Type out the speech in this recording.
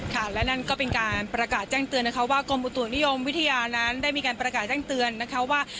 และนั่นก็เป็นการประกาศแจ้งเตือนนะคะว่ากรมอุตุนิยมวิทยานั้นได้มีการประกาศแจ้งเตือนนะคะว่า